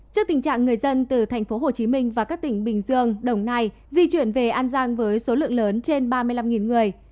trước tình trạng người dân từ tp hcm và các tỉnh bình dương đồng nai di chuyển về an giang với số lượng lớn trên ba mươi năm người